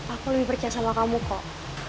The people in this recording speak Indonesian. aku lebih percaya sama kamu kok